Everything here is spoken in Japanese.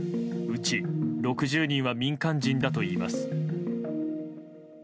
うち６０人は民間人だといいます。